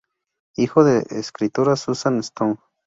Hijo de la escritora Susan Sontag.